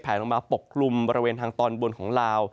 ลงมาปกกลุ่มบริเวณทางตอนบนของลาว